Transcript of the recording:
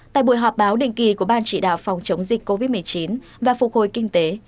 tại buổi họp báo định kỳ của ban chỉ đạo phòng chống dịch covid một mươi chín và phục hồi kinh tế